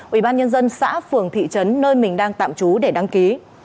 ubnd xã phường thị trấn nơi mình đang tạm trú để đăng ký